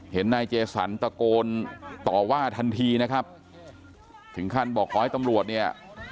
นายเจสันตะโกนต่อว่าทันทีนะครับถึงขั้นบอกขอให้ตำรวจเนี่ย